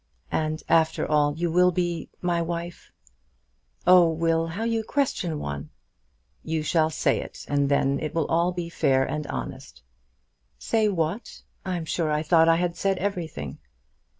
"And after all you will be my wife?" "Oh, Will, how you question one!" "You shall say it, and then it will all be fair and honest." "Say what? I'm sure I thought I had said everything."